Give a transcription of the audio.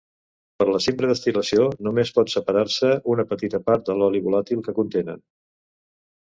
Per la simple destil·lació només pot separar-se una petita part de l'oli volàtil que contenen.